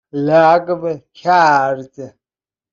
لغو کرد